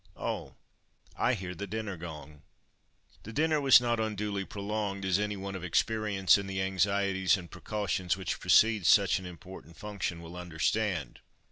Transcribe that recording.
Oh, I hear the dinner gong." The dinner was not unduly prolonged, as any one of experience in the anxieties and precautions which precede such an important function will understand.